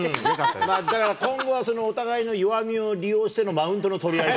だから、今後、お互いの弱みを利用してのマウントの取り合い。